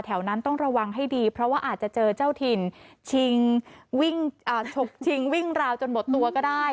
แถวนั้นต้องระวังให้ดีเพราะว่าอาจจะเจอเจ้าถิ่นชิงฉกชิงวิ่งราวจนหมดตัวก็ได้